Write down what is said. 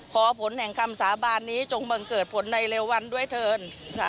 ขอผลแห่งคำสาบานนี้จงบังเกิดผลในเร็ววันด้วยเถิน